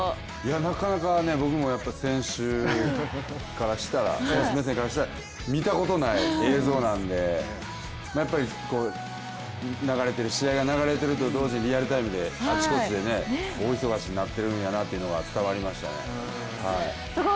なかなか僕も選手目線からしたら見たことない映像なんで、やっぱり試合が流れているのと同時にリアルタイムであちこちで大忙しになってるんやなっていうのは伝わりましたね。